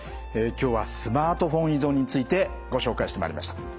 今日はスマートフォン依存についてご紹介してまいりました。